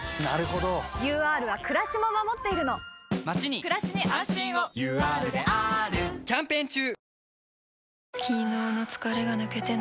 ＵＲはくらしも守っているのまちにくらしに安心をＵＲであーるキャンペーン中！